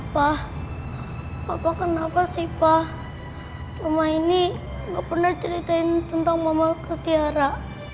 pa papa kenapa sih pa selama ini gak pernah ceritain tentang mama ke tiara